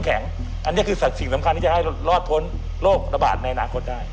อันนี้คือสัตว์สิ่งสำคัญที่จะให้เรารอดพ้นโรคระบาดในอนาคตได้